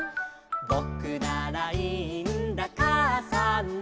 「ぼくならいいんだかあさんの」